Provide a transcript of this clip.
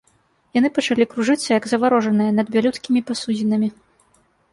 Яны пачалі кружыцца, як заварожаныя, над бялюткімі пасудзінамі.